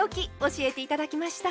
教えて頂きました。